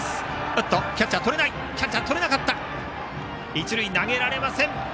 一塁に投げられません。